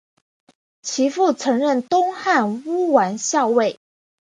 其父曾任东汉乌丸校尉。